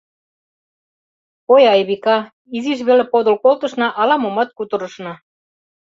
Ой, Айвика, изиш веле подыл колтышна, ала-момат кутырышна.